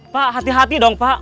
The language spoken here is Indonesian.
pak hati hati dong pak